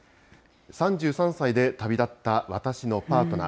３３歳で旅立った私のパートナー。